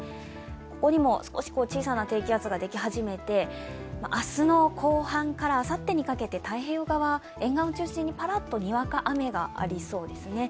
ここにも小さな低気圧ができ始めて明日の後半からあさってにかけて太平洋側、沿岸を中心にぱらっとにわか雨がありそうですね。